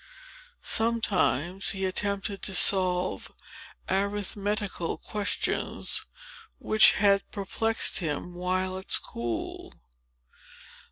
Sometimes he attempted to solve arithmetical questions, which had perplexed him while at school.